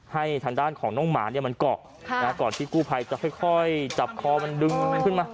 ให้ฐานด้านของน้องหมาเนี่ยมันเกาะค่ะนะก่อนที่กู้ภัยจะค่อยค่อยจับคอมันดึงขึ้นมา